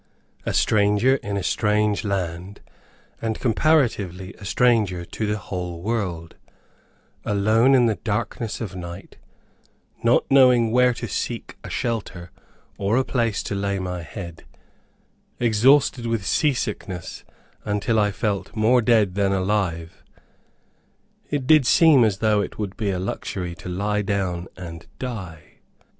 A stranger in a strange land, and comparatively a stranger to the whole world alone in the darkness of night, not knowing where to seek a shelter or a place to lay my head; exhausted with sea sickness until I felt more dead than alive, it did seem as though it would be a luxury to lie down and die.